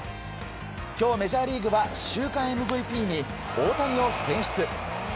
今日、メジャーリーグは週間ＭＶＰに大谷を選出。